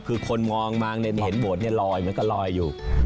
คือคนมองมาในเมื่อเห็นโบสถ์นี่ลอยมันก็ลอยอยู่